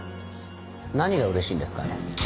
何がうれしいんですかね。